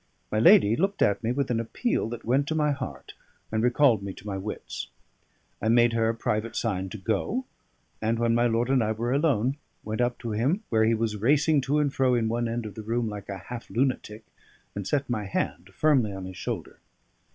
My lady looked at me with an appeal that went to my heart and recalled me to my wits. I made her a private sign to go, and when my lord and I were alone, went up to him where he was racing to and fro in one end of the room like a half lunatic, and set my hand firmly on his shoulder.